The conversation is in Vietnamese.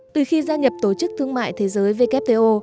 từ khi gia nhập tổ chức thương mại thế giới wto